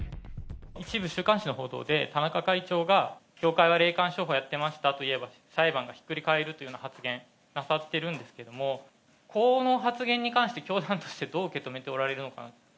一部週刊誌の報道で、田中会長が、教会は霊感商法をやってましたと言えば裁判がひっくり返るというような発言なさってるんですけれども、この発言に関して、教団としてどう受け止めておられるのか。